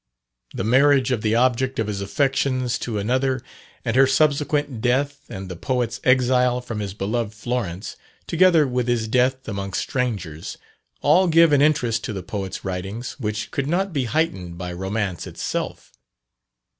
The marriage of the object of his affections to another, and her subsequent death, and the poet's exile from his beloved Florence, together with his death amongst strangers all give an interest to the poet's writings, which could not be heightened by romance itself.